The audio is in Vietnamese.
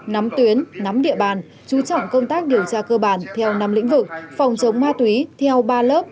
nắm tuyến nắm địa bàn chú trọng công tác điều tra cơ bản theo năm lĩnh vực phòng chống ma túy theo ba lớp